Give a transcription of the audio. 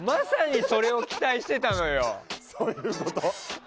そういうこと？